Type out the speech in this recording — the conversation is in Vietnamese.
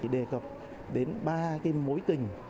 đề cập đến ba cái mối tình